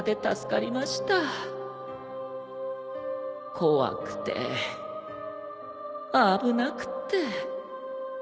怖くて危なくって